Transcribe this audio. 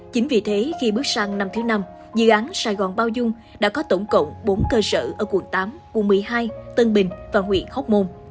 chính vì thế khi bước sang năm thứ năm dự án sài gòn bao dung đã có tổng cộng bốn cơ sở ở quận tám quận một mươi hai tân bình và huyện hóc môn